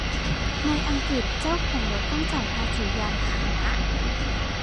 ในอังกฤษ เจ้าของรถต้องจ่ายภาษียานพาหนะ